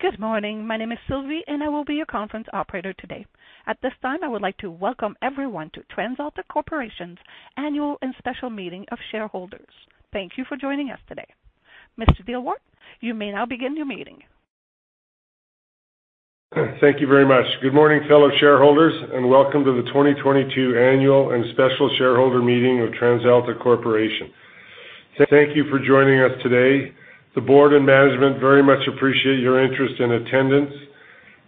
Good morning. My name is Sylvie, and I will be your conference operator today. At this time, I would like to welcome everyone to TransAlta Corporation's Annual and Special Meeting of Shareholders. Thank you for joining us today. Mr. Dielwart, you may now begin your meeting. Thank you very much. Good morning, fellow shareholders, and welcome to the 2022 Annual and Special Shareholder Meeting of TransAlta Corporation. Thank you for joining us today. The Board and Management very much appreciate your interest and attendance.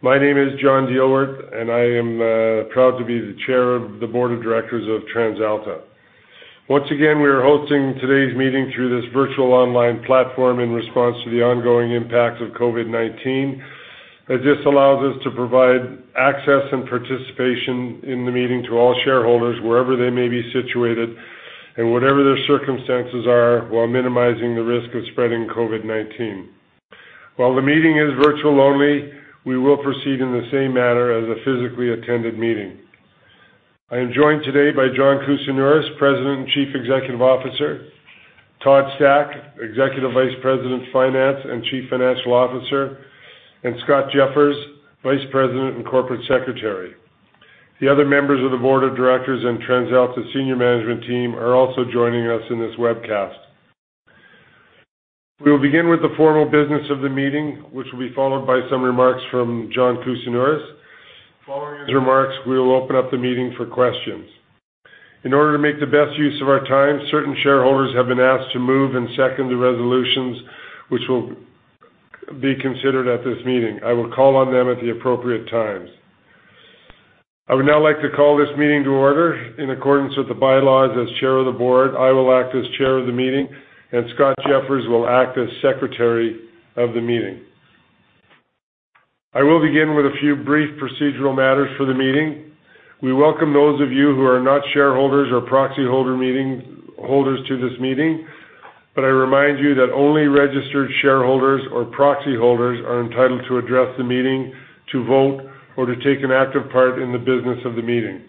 My name is John Dielwart, and I am proud to be the Chair of the Board of Directors of TransAlta. Once again, we are hosting today's meeting through this virtual online platform in response to the ongoing impact of COVID-19, as this allows us to provide access and participation in the meeting to all shareholders wherever they may be situated and whatever their circumstances are, while minimizing the risk of spreading COVID-19. While the meeting is virtual only, we will proceed in the same manner as a physically attended meeting. I am joined today by John Kousinioris, President and Chief Executive Officer, Todd Stack, Executive Vice President, Finance, and Chief Financial Officer, and Scott Jeffers, Vice President and Corporate Secretary. The other members of the Board of Directors and TransAlta Senior Management Team are also joining us in this webcast. We will begin with the formal business of the meeting, which will be followed by some remarks from John Kousinioris. Following his remarks, we will open up the meeting for questions. In order to make the best use of our time, certain shareholders have been asked to move and second the resolutions, which will be considered at this meeting. I will call on them at the appropriate times. I would now like to call this meeting to order. In accordance with the bylaws, as Chair of the Board, I will act as Chair of the meeting, and Scott Jeffers will act as Secretary of the meeting. I will begin with a few brief procedural matters for the meeting. We welcome those of you who are not shareholders or proxy holders to this meeting, but I remind you that only registered shareholders or proxy holders are entitled to address the meeting, to vote, or to take an active part in the business of the meeting.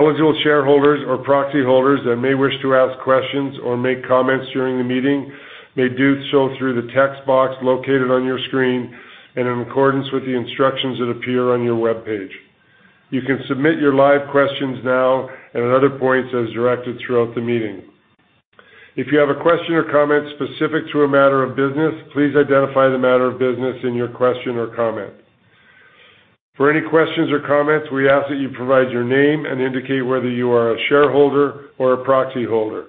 Eligible shareholders or proxy holders that may wish to ask questions or make comments during the meeting may do so through the text box located on your screen and in accordance with the instructions that appear on your webpage. You can submit your live questions now and at other points as directed throughout the meeting. If you have a question or comment specific to a matter of business, please identify the matter of business in your question or comment. For any questions or comments, we ask that you provide your name and indicate whether you are a shareholder or a proxy holder.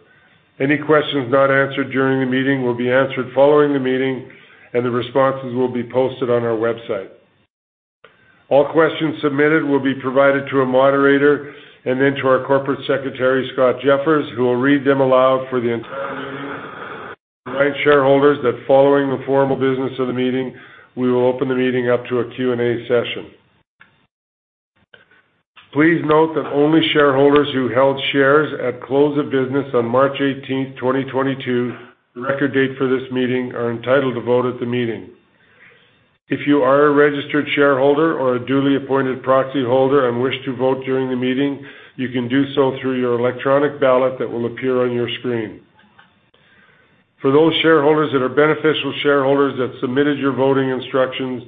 Any questions not answered during the meeting will be answered following the meeting, and the responses will be posted on our website. All questions submitted will be provided to a moderator and then to our Corporate Secretary, Scott Jeffers, who will read them aloud for the entire meeting. I remind shareholders that following the formal business of the meeting, we will open the meeting up to a Q&A session. Please note that only shareholders who held shares at close of business on March 18th, 2022, the record date for this meeting, are entitled to vote at the meeting. If you are a registered shareholder or a duly appointed proxy holder and wish to vote during the meeting, you can do so through your electronic ballot that will appear on your screen. For those shareholders that are beneficial shareholders that submitted your voting instructions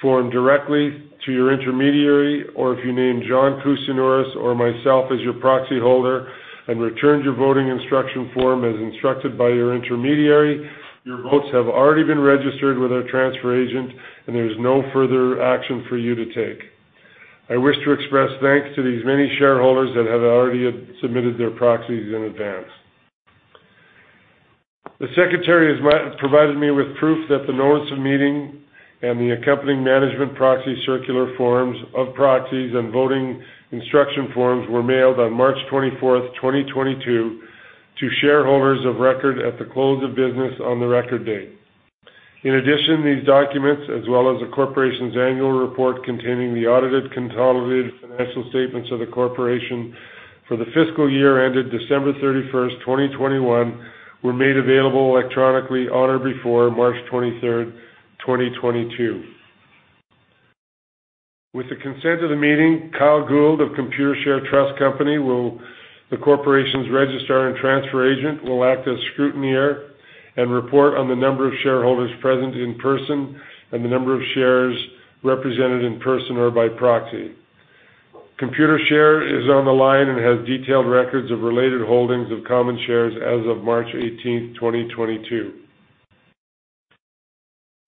form directly to your intermediary, or if you named John Kousinioris or myself as your proxy holder and returned your voting instruction form as instructed by your intermediary, your votes have already been registered with our transfer agent, and there is no further action for you to take. I wish to express thanks to these many shareholders that have already submitted their proxies in advance. The Secretary has provided me with proof that the notice of meeting and the accompanying management proxy circular forms of proxies and voting instruction forms were mailed on March 24th, 2022, to shareholders of record at the close of business on the record date. In addition, these documents, as well as the Corporation's annual report containing the audited consolidated financial statements of the Corporation for the fiscal year ended December 31st, 2021, were made available electronically on or before March 23rd, 2022. With the consent of the meeting, Kyle Gould of Computershare Trust Company, the Corporation's registrar and transfer agent, will act as scrutineer and report on the number of shareholders present in person and the number of shares represented in person or by proxy. Computershare is on the line and has detailed records of related holdings of common shares as of March 18th, 2022.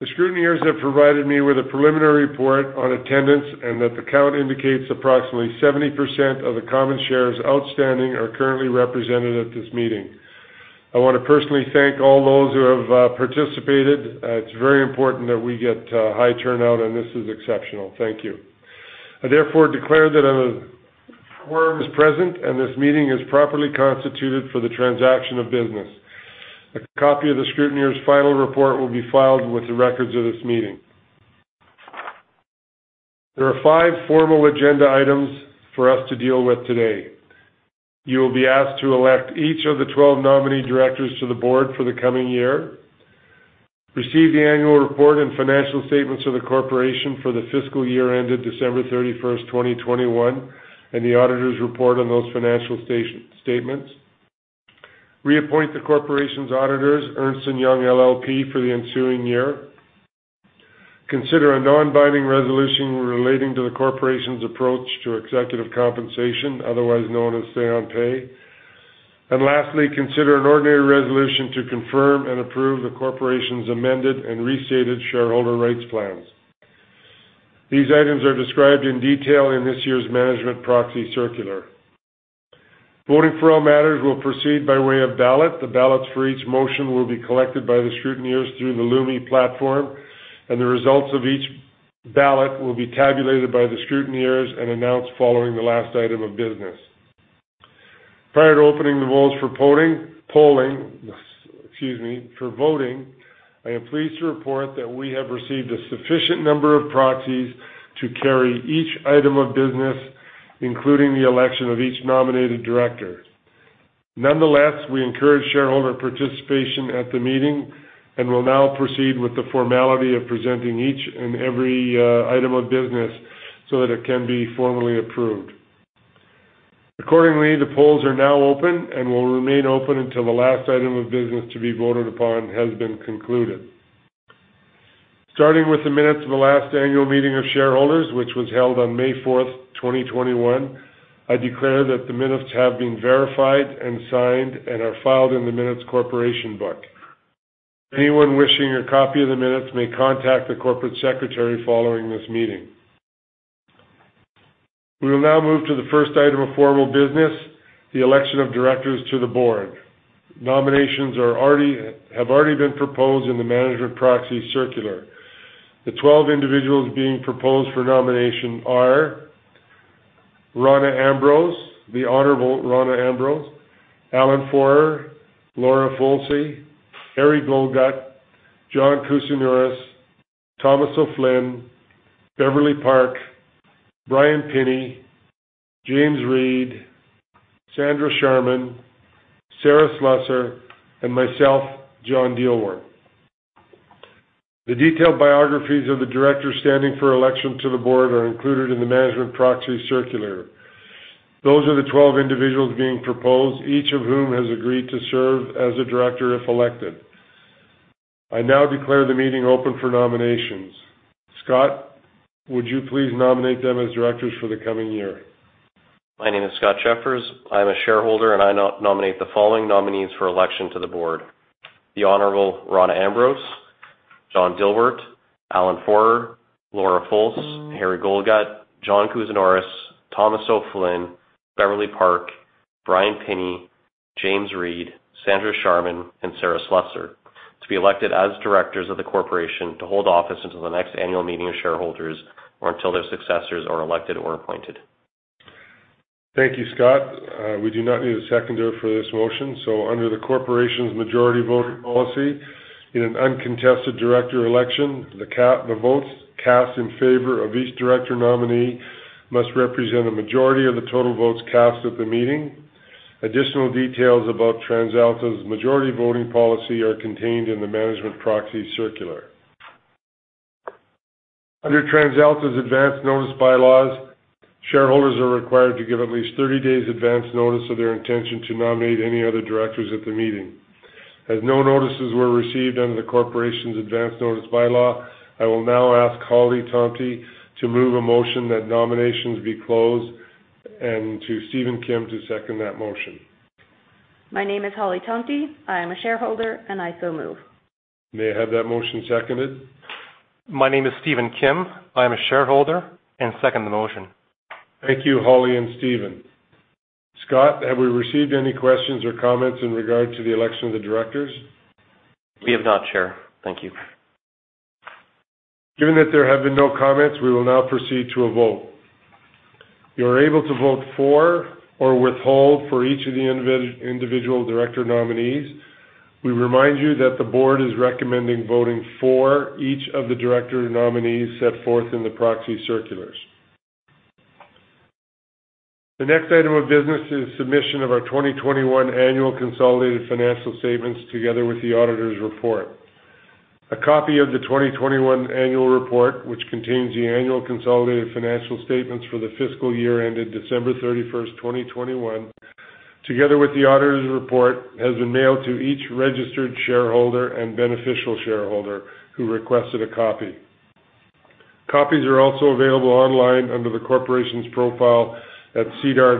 The Scrutineers have provided me with a preliminary report on attendance and that the count indicates approximately 70% of the common shares outstanding are currently represented at this Meeting. I want to personally thank all those who have participated. It's very important that we get a high turnout, and this is exceptional. Thank you. I therefore declare that a quorum is present, and this Meeting is properly constituted for the transaction of business. A copy of the Scrutineer's final report will be filed with the records of this Meeting. There are five formal agenda items for us to deal with today. You will be asked to elect each of the 12 nominee directors to the Board for the coming year, receive the Annual Report and Financial Statements of the Corporation for the fiscal year ended December 31st, 2021, and the Auditors' Report on those Financial Statements. Reappoint the Corporation's auditors, Ernst & Young LLP, for the ensuing year. Consider a non-binding resolution relating to the Corporation's approach to executive compensation, otherwise known as Say on Pay. Lastly, consider an ordinary resolution to confirm and approve the Corporation's amended and restated Shareholder Rights Plans. These items are described in detail in this year's Management Proxy Circular. Voting for all matters will proceed by way of ballot. The ballots for each motion will be collected by the scrutineers through the Lumi platform, and the results of each ballot will be tabulated by the scrutineers and announced following the last item of business. Prior to opening the polls for voting, I am pleased to report that we have received a sufficient number of proxies to carry each item of business, including the election of each nominated director. Nonetheless, we encourage shareholder participation at the meeting and will now proceed with the formality of presenting each and every item of business so that it can be formally approved. Accordingly, the polls are now open and will remain open until the last item of business to be voted upon has been concluded. Starting with the minutes of the last Annual Meeting of Shareholders, which was held on May 4th, 2021, I declare that the minutes have been verified and signed and are filed in the minutes Corporation book. Anyone wishing a copy of the minutes may contact the Corporate Secretary following this meeting. We will now move to the first item of formal business, the election of Directors to the Board. Nominations have already been proposed in the Management Proxy Circular. The 12 individuals being proposed for nomination are The Honorable Rona Ambrose, Alan Fohrer, Laura Folse, Harry Goldgut, John Kousinioris, Thomas O'Flynn, Beverly Park, Bryan Pinney, James Reid, Sandra Sharman, Sarah Slusser, and myself, John Dielwart. The detailed biographies of the Directors standing for election to the Board are included in the Management Proxy Circular. Those are the 12 individuals being proposed, each of whom has agreed to serve as a Director, if elected. I now declare the Meeting open for nominations. Scott, would you please nominate them as Directors for the coming year? My name is Scott Jeffers. I'm a shareholder, and I nominate the following nominees for election to the Board, The Honorable Rona Ambrose, John Dielwart, Alan Fohrer, Laura Folse, Harry Goldgut, John Kousinioris, Thomas O'Flynn, Beverly Park, Bryan Pinney, James Reid, Sandra Sharman, and Sarah Slusser, to be elected as Directors of the Corporation to hold office until the next Annual Meeting of Shareholders or until their successors are elected or appointed. Thank you, Scott. We do not need a seconder for this motion. Under the Corporation's majority voting policy, in an uncontested director election, the votes cast in favor of each director nominee must represent a majority of the total votes cast at the meeting. Additional details about TransAlta's majority voting policy are contained in the management proxy circular. Under TransAlta's advance notice bylaws, shareholders are required to give at least 30 days advance notice of their intention to nominate any other directors at the meeting. As no notices were received under the Corporation's advance notice bylaw, I will now ask Holly Tomte to move a motion that nominations be closed and to Steven Kim to second that motion. My name is Holly Tomte. I am a shareholder, and I so move. May I have that motion seconded? My name is Steven Kim. I am a shareholder and second the motion. Thank you, Holly and Steven. Scott, have we received any questions or comments in regard to the election of the Directors? We have not, Chair. Thank you. Given that there have been no comments, we will now proceed to a vote. You are able to vote for or withhold for each of the individual director nominees. We remind you that the Board is recommending voting for each of the director nominees set forth in the proxy circulars. The next item of business is submission of our 2021 Annual Consolidated Financial Statements, together with the Auditors' Report. A copy of the 2021 Annual Report, which contains the Annual Consolidated Financial Statements for the fiscal year ended December 31st, 2021, together with the Auditors' Report, has been mailed to each registered shareholder and beneficial shareholder who requested a copy. Copies are also available online under the Corporation's profile at SEDAR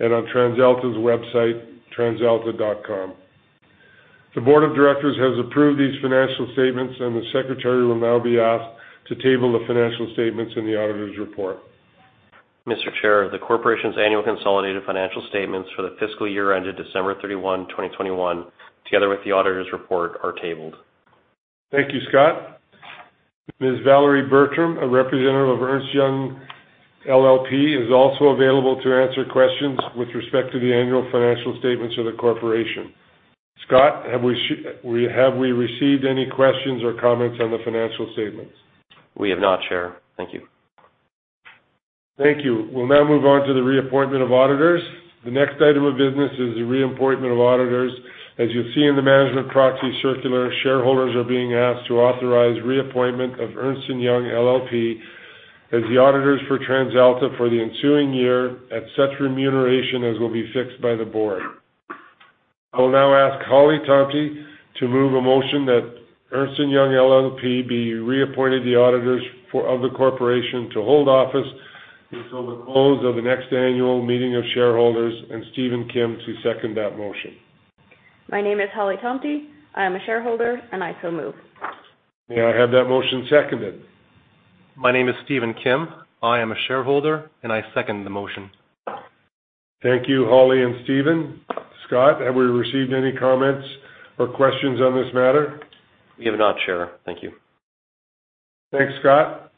and on TransAlta's website, transalta.com. The Board of Directors has approved these financial statements, and the Secretary will now be asked to table the financial statements and the Auditors' Report. Mr. Chair, the Corporation's annual consolidated financial statements for the fiscal year ended December 31, 2021, together with the auditors' report, are tabled. Thank you, Scott. Ms. Valerie Bertram, a representative of Ernst & Young LLP, is also available to answer questions with respect to the annual financial statements of the corporation. Scott, have we received any questions or comments on the financial statements? We have not, Chair. Thank you. Thank you. We'll now move on to the reappointment of auditors. The next item of business is the reappointment of auditors. As you'll see in the Management Proxy Circular, shareholders are being asked to authorize reappointment of Ernst & Young LLP as the auditors for TransAlta for the ensuing year at such remuneration as will be fixed by the Board. I will now ask Holly Tomte to move a motion that Ernst & Young LLP be reappointed the auditors of the Corporation to hold office until the close of the next annual meeting of shareholders, and Steven Kim to second that motion. My name is Holly Tomte. I am a shareholder, and I so move. May I have that motion seconded? My name is Steven Kim. I am a shareholder, and I second the motion. Thank you, Holly and Steven. Scott, have we received any comments or questions on this matter? We have not, Chair. Thank you. Thanks, Scott.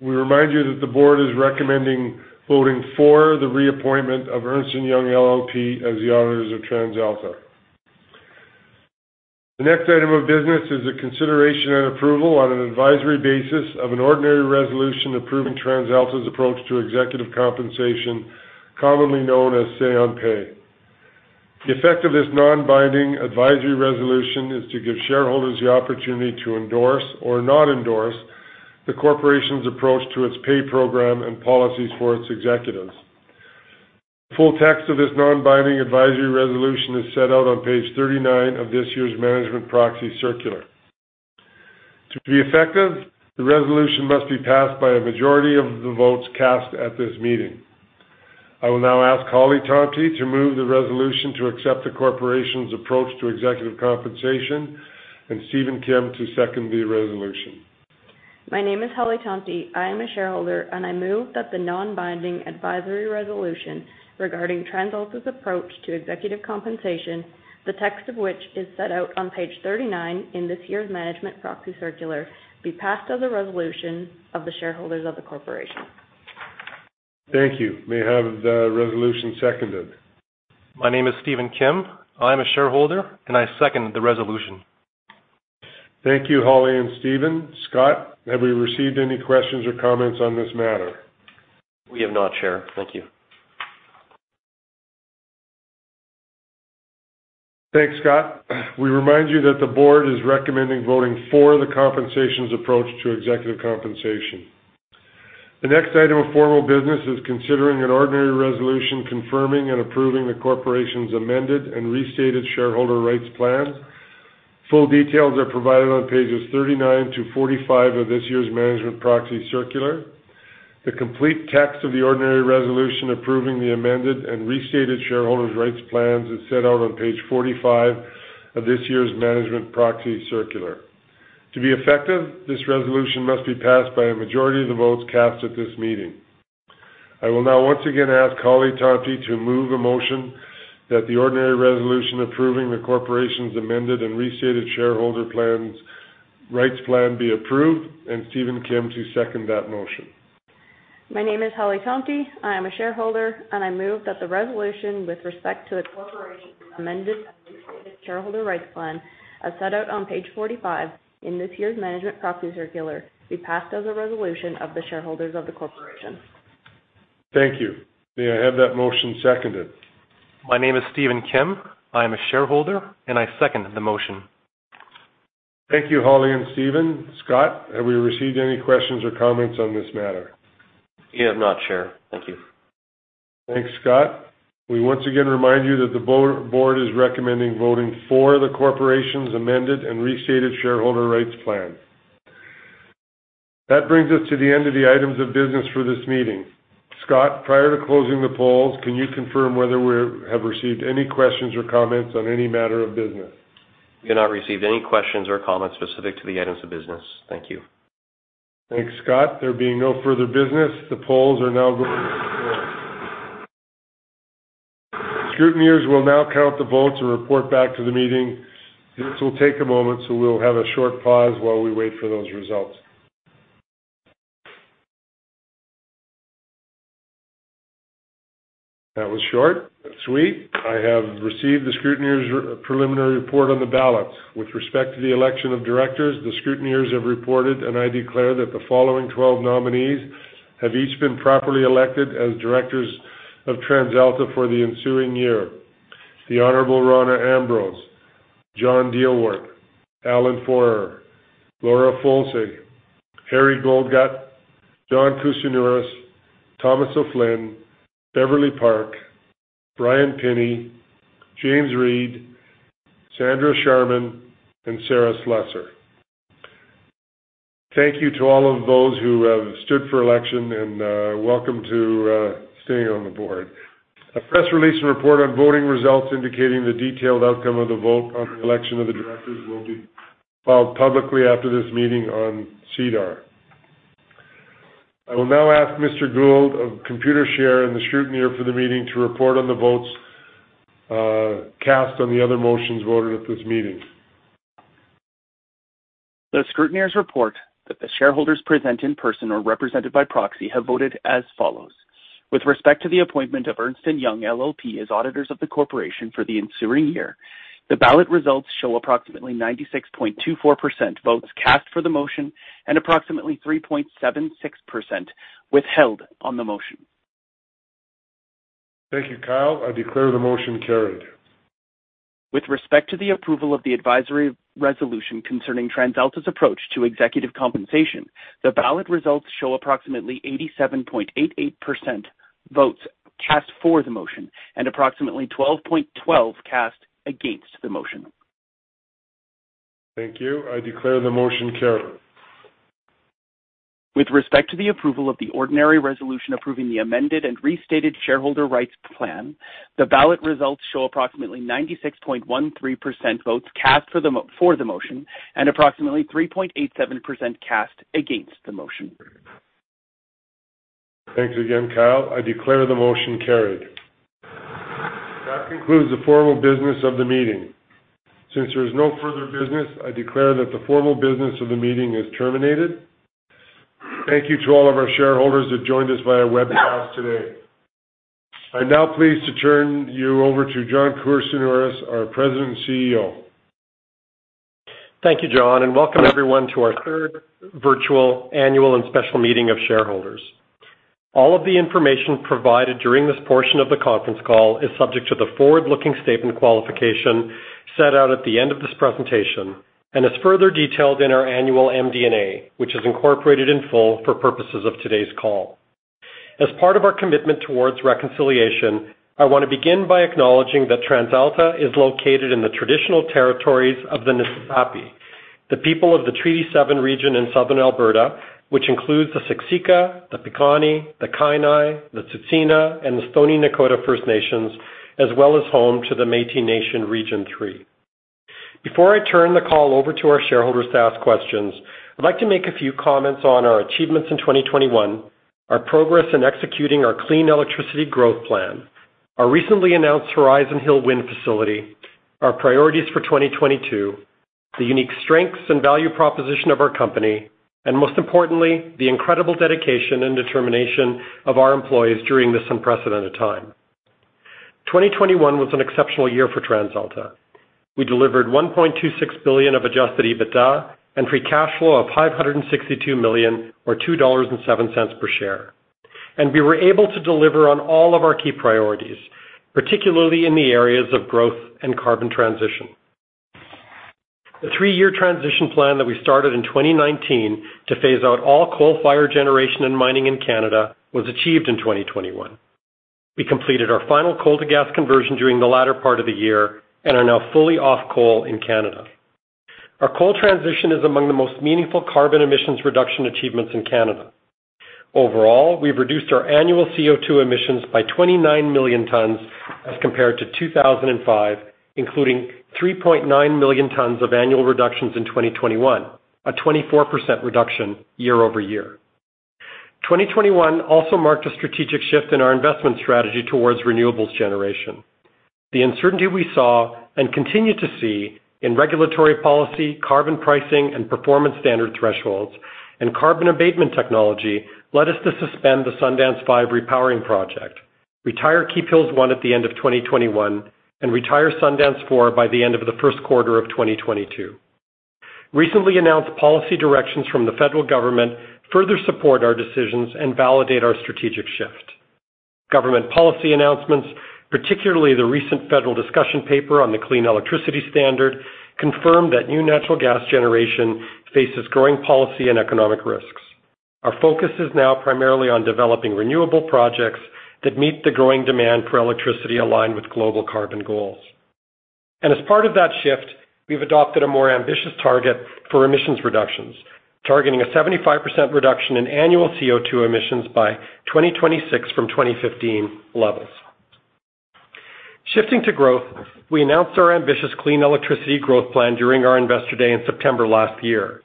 We remind you that the Board is recommending voting for the reappointment of Ernst & Young LLP as the Auditors of TransAlta. The next item of business is a consideration and approval on an advisory basis of an ordinary resolution approving TransAlta's approach to Executive Compensation, commonly known as Say on Pay. The effect of this non-binding advisory resolution is to give shareholders the opportunity to endorse or not endorse the Corporation's approach to its pay program and policies for its executives. The full text of this non-binding advisory resolution is set out on page 39 of this year's Management Proxy Circular. To be effective, the resolution must be passed by a majority of the votes cast at this meeting. I will now ask Holly Tomte to move the resolution to accept the Corporation's approach to Executive Compensation, and Steven Kim to second the resolution. My name is Holly Tomte. I am a shareholder, and I move that the non-binding advisory resolution regarding TransAlta's approach to executive compensation, the text of which is set out on page 39 in this year's Management Proxy Circular, be passed as a resolution of the shareholders of the corporation. Thank you. May I have the resolution seconded? My name is Steven Kim. I am a shareholder, and I second the resolution. Thank you, Holly and Steven. Scott, have we received any questions or comments on this matter? We have not, Chair. Thank you. Thanks, Scott. We remind you that the Board is recommending voting for the compensation approach to executive compensation. The next item of formal business is considering an ordinary resolution confirming and approving the Corporation's amended and restated shareholder rights plan. Full details are provided on pages 39-45 of this year's Management Proxy Circular. The complete text of the ordinary resolution approving the amended and restated shareholder rights plan is set out on page 45 of this year's Management Proxy Circular. To be effective, this resolution must be passed by a majority of the votes cast at this meeting. I will now once again ask Holly Tomte to move a motion that the ordinary resolution approving the Corporation's amended and restated shareholder rights plan be approved, and Steven Kim to second that motion. My name is Holly Tomte. I am a shareholder, and I move that the resolution with respect to the corporation's amended and restated shareholder rights plan, as set out on page 45 in this year's management proxy circular, be passed as a resolution of the shareholders of the corporation. Thank you. May I have that motion seconded? My name is Steven Kim. I am a shareholder, and I second the motion. Thank you, Holly and Steven. Scott, have we received any questions or comments on this matter? We have not, Chair. Thank you. Thanks, Scott. We once again remind you that the Board is recommending voting for the Corporation's amended and restated shareholder rights plan. That brings us to the end of the items of business for this meeting. Scott, prior to closing the polls, can you confirm whether we have received any questions or comments on any matter of business? We have not received any questions or comments specific to the items of business. Thank you. Thanks, Scott. There being no further business, the polls are now closed. Scrutineers will now count the votes and report back to the meeting. This will take a moment, so we'll have a short pause while we wait for those results. That was short and sweet. I have received the scrutineers' preliminary report on the ballots. With respect to the election of directors, the scrutineers have reported, and I declare that the following 12 nominees have each been properly elected as directors of TransAlta for the ensuing year: The Honorable Rona Ambrose, John Dielwart, Alan Fohrer, Laura Folse, Harry Goldgut, John Kousinioris, Thomas O'Flynn, Beverly Park, Bryan Pinney, James Reid, Sandra Sharman, and Sarah Slusser. Thank you to all of those who have stood for election and welcome to staying on the board. A press release and report on voting results indicating the detailed outcome of the vote on the election of the Directors will be filed publicly after this meeting on SEDAR. I will now ask Mr. Gould of Computershare and the Scrutineer for the meeting to report on the votes cast on the other motions voted at this meeting. The Scrutineers report that the Shareholders present in person or represented by proxy have voted as follows. With respect to the appointment of Ernst & Young LLP as Auditors of the Corporation for the ensuing year, the ballot results show approximately 96.24% votes cast for the motion and approximately 3.76% withheld on the motion. Thank you, Kyle. I declare the motion carried. With respect to the approval of the advisory resolution concerning TransAlta's approach to executive compensation, the ballot results show approximately 87.88% votes cast for the motion and approximately 12.12% cast against the motion. Thank you. I declare the motion carried. With respect to the approval of the ordinary resolution approving the amended and restated shareholder rights plan, the ballot results show approximately 96.13% votes cast for the motion and approximately 3.87% cast against the motion. Thanks again, Kyle. I declare the motion carried. That concludes the formal business of the meeting. Since there is no further business, I declare that the formal business of the meeting is terminated. Thank you to all of our shareholders who joined us via webcast today. I'm now pleased to turn you over to John Kousinioris, our President and CEO. Thank you, John, and welcome everyone to our third Annual and Special Meeting of Shareholders. All of the information provided during this portion of the conference call is subject to the forward-looking statement qualification set out at the end of this presentation and is further detailed in our Annual MD&A, which is incorporated in full for purposes of today's call. As part of our commitment towards reconciliation, I want to begin by acknowledging that TransAlta is located in the traditional territories of the Niitsitapi, the people of the Treaty 7 region in southern Alberta, which includes the Siksika, the Piikani, the Kainai, the Tsuut'ina, and the Stoney Nakoda First Nations, as well as home to the Métis Nation Region 3. Before I turn the call over to our shareholders to ask questions, I'd like to make a few comments on our achievements in 2021, our progress in executing our Clean Electricity Growth Plan, our recently announced Horizon Hill Wind Project, our priorities for 2022, the unique strengths and value proposition of our company, and most importantly, the incredible dedication and determination of our employees during this unprecedented time. 2021 was an exceptional year for TransAlta. We delivered 1.26 billion of adjusted EBITDA and free cash flow of 562 million or 2.07 dollars per share. We were able to deliver on all of our key priorities, particularly in the areas of growth and carbon transition. The three-year transition plan that we started in 2019 to phase out all coal-fired generation and mining in Canada was achieved in 2021. We completed our final coal-to-gas conversion during the latter part of the year and are now fully off coal in Canada. Our coal transition is among the most meaningful carbon emissions reduction achievements in Canada. Overall, we've reduced our annual CO2 emissions by 29 million tons as compared to 2005, including 3.9 million tons of annual reductions in 2021, a 24% reduction year-over-year. 2021 also marked a strategic shift in our investment strategy towards renewables generation. The uncertainty we saw and continue to see in regulatory policy, carbon pricing, and performance standard thresholds, and carbon abatement technology led us to suspend the Sundance 5 repowering project, retire Keephills 1 at the end of 2021, and retire Sundance 4 by the end of the first quarter of 2022. Recently announced policy directions from the federal government further support our decisions and validate our strategic shift. Government policy announcements, particularly the recent federal discussion paper on the Clean Electricity Standard, confirmed that new natural gas generation faces growing policy and economic risks. Our focus is now primarily on developing renewable projects that meet the growing demand for electricity aligned with global carbon goals. As part of that shift, we've adopted a more ambitious target for emissions reductions, targeting a 75% reduction in annual CO2 emissions by 2026 from 2015 levels. Shifting to growth, we announced our ambitious Clean Electricity Growth Plan during our Investor Day in September last year.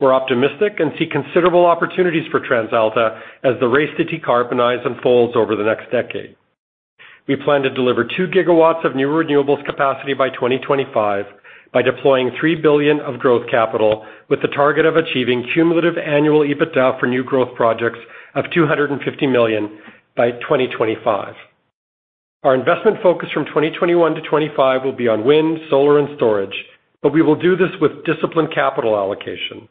We're optimistic and see considerable opportunities for TransAlta as the race to decarbonize unfolds over the next decade. We plan to deliver 2 GW of new renewables capacity by 2025 by deploying 3 billion of growth capital with the target of achieving cumulative annual EBITDA for new growth projects of 250 million by 2025. Our investment focus from 2021-2025 will be on wind, solar, and storage, but we will do this with disciplined capital allocation.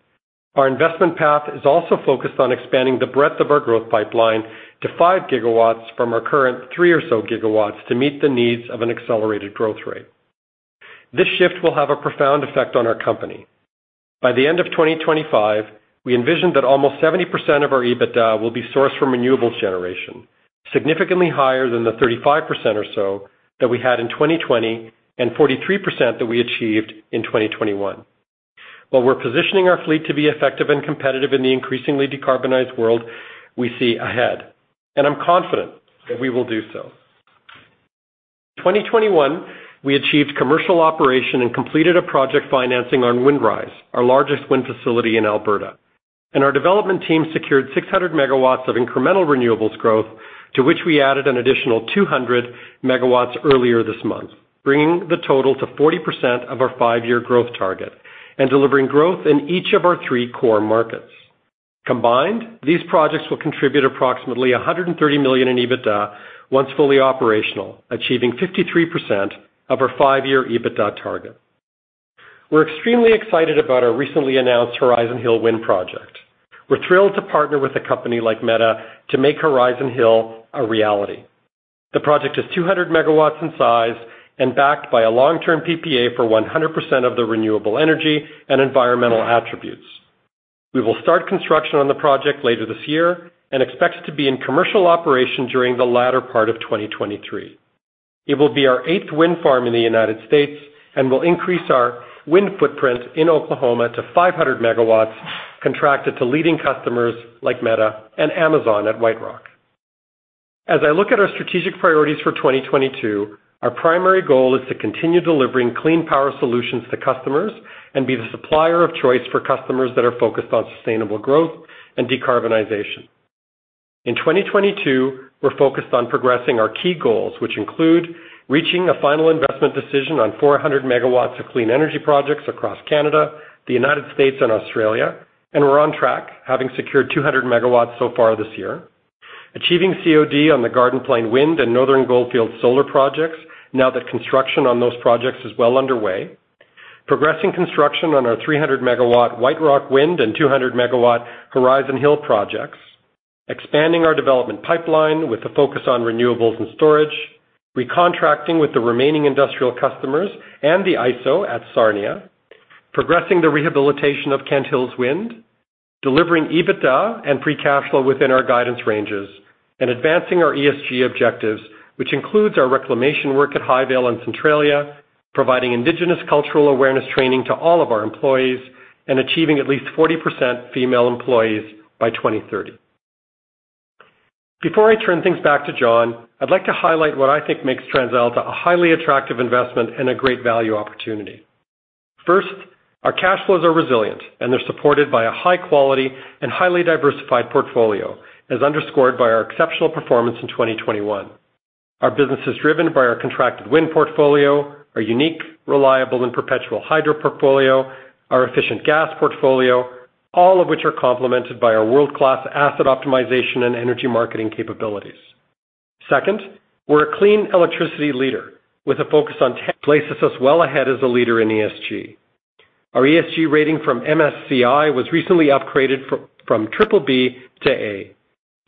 Our investment path is also focused on expanding the breadth of our growth pipeline to 5 GW from our current 3 or so GW to meet the needs of an accelerated growth rate. This shift will have a profound effect on our company. By the end of 2025, we envision that almost 70% of our EBITDA will be sourced from renewables generation, significantly higher than the 35% or so that we had in 2020 and 43% that we achieved in 2021. While we're positioning our fleet to be effective and competitive in the increasingly decarbonized world we see ahead, and I'm confident that we will do so. 2021, we achieved commercial operation and completed a project financing on Windrise, our largest wind facility in Alberta. Our development team secured 600 MW of incremental renewables growth to which we added an additional 200 MW earlier this month, bringing the total to 40% of our five-year growth target and delivering growth in each of our three core markets. Combined, these projects will contribute approximately 130 million in EBITDA once fully operational, achieving 53% of our five-year EBITDA target. We're extremely excited about our recently announced Horizon Hill Wind Project. We're thrilled to partner with a company like Meta to make Horizon Hill a reality. The project is 200 MW in size and backed by a long-term PPA for 100% of the renewable energy and environmental attributes. We will start construction on the project later this year and expect it to be in commercial operation during the latter part of 2023. It will be our eighth wind farm in the United States and will increase our wind footprint in Oklahoma to 500 MW, contracted to leading customers like Meta and Amazon at White Rock. As I look at our strategic priorities for 2022, our primary goal is to continue delivering clean power solutions to customers and be the supplier of choice for customers that are focused on sustainable growth and decarbonization. In 2022, we're focused on progressing our key goals, which include reaching a final investment decision on 400 MW of clean energy projects across Canada, the United States, and Australia, and we're on track, having secured 200 megawatts so far this year. Achieving COD on the Garden Plain Wind and Northern Goldfield solar projects now that construction on those projects is well underway. Progressing construction on our 300 MW White Rock wind and 200 MW Horizon Hill projects. Expanding our development pipeline with a focus on renewables and storage. Recontracting with the remaining industrial customers and the ISO at Sarnia. Progressing the rehabilitation of Kent Hills Wind. Delivering EBITDA and free cash flow within our guidance ranges. And advancing our ESG objectives, which includes our reclamation work at Highvale and Centralia, providing indigenous cultural awareness training to all of our employees, and achieving at least 40% female employees by 2030. Before I turn things back to John, I'd like to highlight what I think makes TransAlta a highly attractive investment and a great value opportunity. First, our cash flows are resilient, and they're supported by a high-quality and highly diversified portfolio, as underscored by our exceptional performance in 2021. Our business is driven by our contracted wind portfolio, our unique, reliable, and perpetual hydro portfolio, our efficient gas portfolio, all of which are complemented by our world-class asset optimization and energy marketing capabilities. Second, we're a clean electricity leader with a focus on places us well ahead as a leader in ESG. Our ESG rating from MSCI was recently upgraded from BBB to A.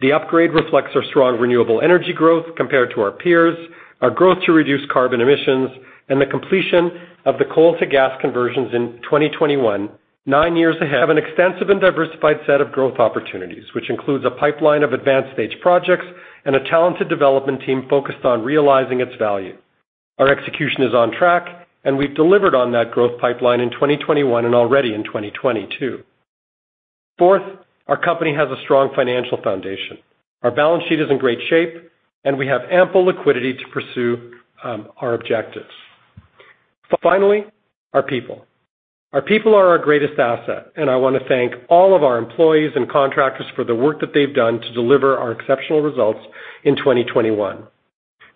The upgrade reflects our strong renewable energy growth compared to our peers, our growth to reduce carbon emissions, and the completion of the coal-to-gas conversions in 2021, nine years ahead. have an extensive and diversified set of growth opportunities, which includes a pipeline of advanced-stage projects and a talented development team focused on realizing its value. Our execution is on track, and we've delivered on that growth pipeline in 2021 and already in 2022. Fourth, our company has a strong financial foundation. Our balance sheet is in great shape, and we have ample liquidity to pursue our objectives. Finally, our people are our greatest asset, and I want to thank all of our employees and contractors for the work that they've done to deliver our exceptional results in 2021.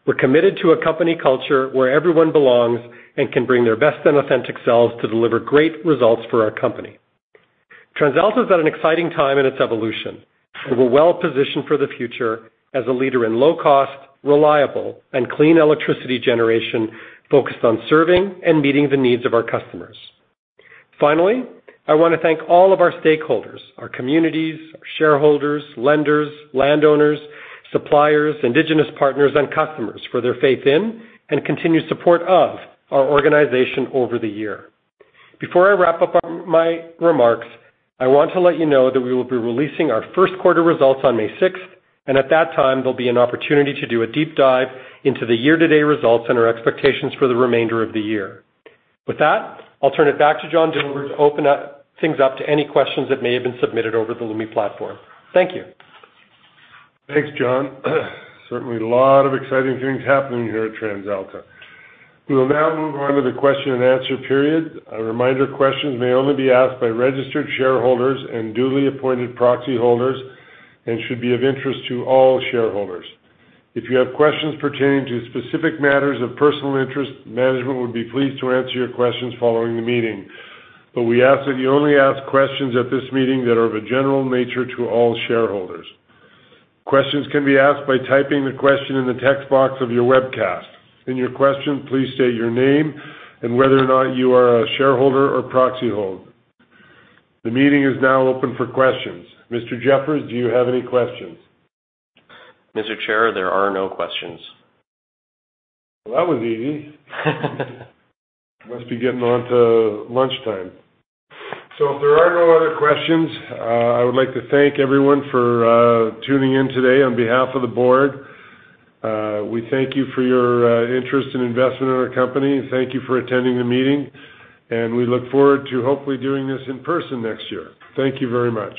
We're committed to a company culture where everyone belongs and can bring their best and authentic selves to deliver great results for our company. TransAlta's at an exciting time in its evolution, and we're well positioned for the future as a leader in low-cost, reliable, and clean electricity generation focused on serving and meeting the needs of our customers. Finally, I want to thank all of our stakeholders, our communities, our shareholders, lenders, landowners, suppliers, Indigenous partners, and customers for their faith in and continued support of our organization over the year. Before I wrap up my remarks, I want to let you know that we will be releasing our first quarter results on May 6th, and at that time, there'll be an opportunity to do a deep dive into the year-to-date results and our expectations for the remainder of the year. With that, I'll turn it back to John Dielwart to open things up to any questions that may have been submitted over the Lumi platform. Thank you. Thanks, John. Certainly a lot of exciting things happening here at TransAlta. We will now move on to the question and answer period. A reminder, questions may only be asked by registered shareholders and duly appointed proxy holders and should be of interest to all shareholders. If you have questions pertaining to specific matters of personal interest, management would be pleased to answer your questions following the meeting. We ask that you only ask questions at this meeting that are of a general nature to all shareholders. Questions can be asked by typing the question in the text box of your webcast. In your question, please state your name and whether or not you are a shareholder or proxy holder. The meeting is now open for questions. Mr. Jeffers, do you have any questions? Mr. Chair, there are no questions. Well, that was easy. Must be getting on to lunchtime. If there are no other questions, I would like to thank everyone for tuning in today on behalf of the Board. We thank you for your interest and investment in our company. Thank you for attending the meeting, and we look forward to hopefully doing this in person next year. Thank you very much.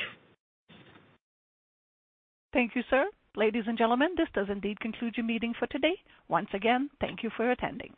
Thank you, sir. Ladies and gentlemen, this does indeed conclude your meeting for today. Once again, thank you for attending.